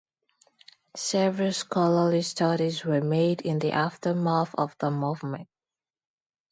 Several scholarly studies were made in the aftermath of the movement.